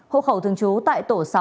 hộ khẩu thường chú tại tổ sáu